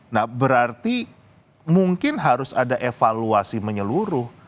nah berarti mungkin harus ada evaluasi menyeluruh